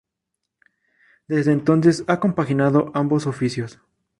Desde entonces ha compaginado ambos oficios.